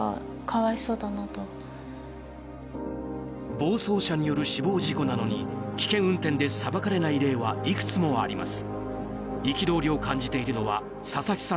暴走車による死亡事故なのに危険運転で裁かれない例はいくつもあります。